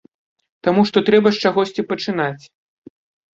Таму што трэба з чагосьці пачынаць.